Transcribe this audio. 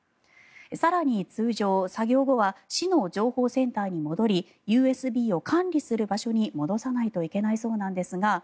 更に通常、作業後は市の情報センターに戻りＵＳＢを管理する場所に戻さないといけないそうですが